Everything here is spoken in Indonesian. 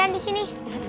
kalian di sini